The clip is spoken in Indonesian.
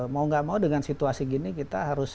mau tidak mau dengan situasi ini kita harus